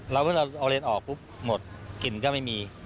แล้วเวลาเอาเลนออกปุ๊บหมดกลิ่นก็ไม่มี